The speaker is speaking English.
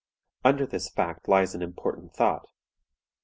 "Under this fact lies an important thought.